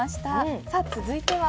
続いては？